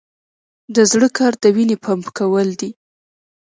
د زړه کار د وینې پمپ کول دي